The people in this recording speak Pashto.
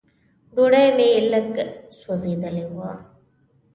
ډوډۍ مې لږ سوځېدلې وه.